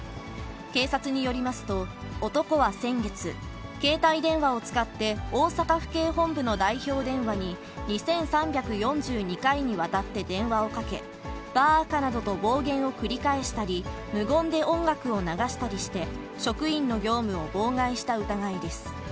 警察によりますと、男は先月、携帯電話を使って大阪府警本部の代表電話に、２３４２回にわたって電話をかけ、バーカなどと暴言を繰り返したり、無言で音楽を流したりして、職員の業務を妨害した疑いです。